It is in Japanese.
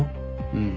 うん。